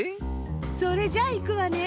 それじゃいくわね。